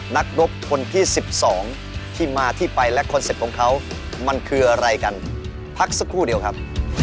นักรบคนที่๑๒ที่มาที่ไปและคอนเซ็ปต์ของเขามันคืออะไรกันพักสักครู่เดียวครับ